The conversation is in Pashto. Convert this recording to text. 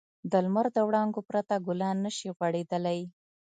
د لمر د وړانګو پرته ګلان نه شي غوړېدلی.